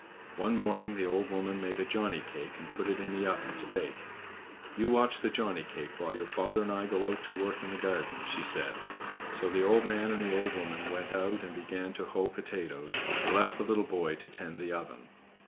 One morning the old woman made a Johnny cake, and put it in the oven to bake. "You watch the Johnny cake while your father and I go out to work in the garden," she said, so the old man and the old woman went out and began to hoe potatoes, and left the little boy to tend the oven.